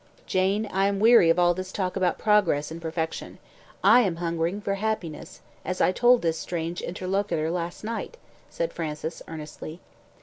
"Jane, I am weary of all this talk about progress and perfection. I am hungering for happiness, as I told this strange interlocutor last night," said Francis, earnestly.